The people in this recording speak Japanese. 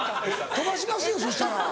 飛ばしますよそしたら。